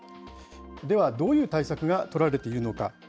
ではどういう対策が取られているのか。